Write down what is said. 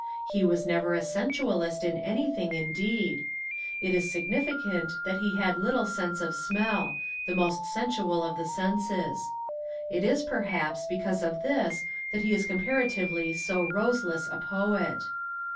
He was never a sensualist in anything, indeed. It is significant that he had little sense of smell the most sensual of the senses. It is, perhaps, because of this that he is comparatively so roseless a poet.